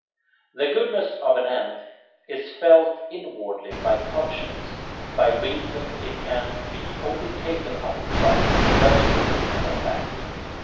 The goodness of an end is felt inwardly by conscience; by reason it can be only taken upon trust and registered as a fact.